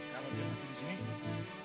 kalau dia mati di sini